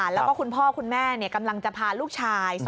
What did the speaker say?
แล้วก็คุณพ่อคุณแม่กำลังจะพาลูกชาย